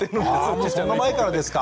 そんな前からですか。